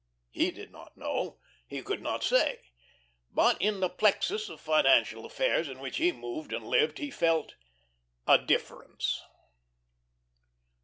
He did not know, he could not say. But in the plexus of financial affairs in which he moved and lived he felt a difference.